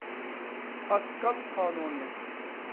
پاسكال قانۇنى